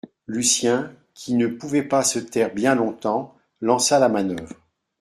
Lucien, qui ne pouvait pas se taire bien longtemps, lança la manœuvre